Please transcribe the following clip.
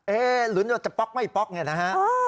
เอ๊ลุ้นจนจะป๊อกไม่ป๊อกอย่างนี้นะฮะโอ้